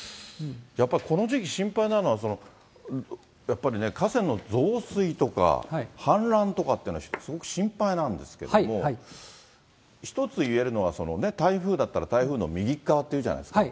やっぱりこの時期心配なのは、やっぱりね、河川の増水とか氾濫とかっていうのは、すごく心配なんですけども。一つ言えるのは、台風だったら台風の右っ側って言うじゃないですか。